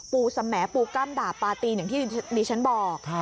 ปูสะแหมปูก้ามด่าปลาตีนอย่างที่นี่ฉันบอก